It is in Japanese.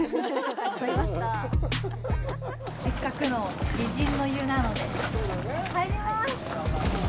せっかくの美人の湯なので、入ります！